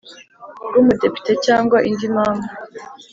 bw Umudepite cyangwa indi mpamvu